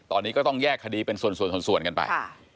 ตอนนี้ก็ต้องแยกคดีเป็นส่วนกันไป